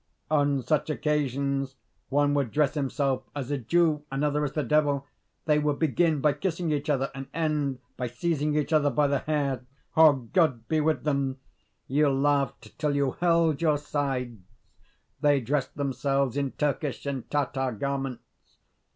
On such occasions one would dress himself as a Jew, another as the Devil: they would begin by kissing each other, and end by seizing each other by the hair. God be with them! you laughed till you held your sides. They dressed themselves in Turkish and Tatar garments.